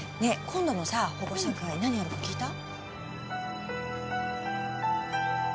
今度のさ保護者会何やるか聞いた？